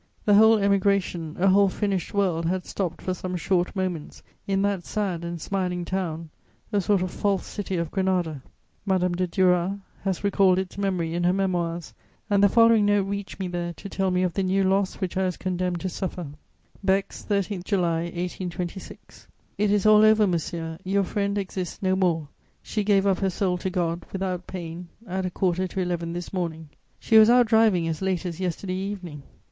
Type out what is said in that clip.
The whole Emigration, a whole finished world had stopped for some short moments in that sad and smiling town, a sort of false city of Granada. Madame de Duras has recalled its memory in her Memoirs, and the following note reached me there to tell me of the new loss which I was condemned to suffer: "BEX, 13 July 1826. "It is all over, monsieur, your friend exists no more; she gave up her soul to God, without pain, at a quarter to eleven this morning. She was out driving as late as yesterday evening.